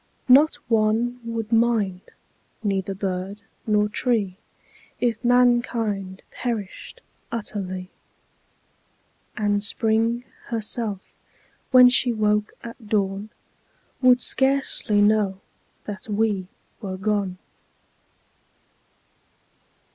Not one would mind, neither bird nor tree If mankind perished utterly; And Spring herself, when she woke at dawn, Would scarcely know that we were gone.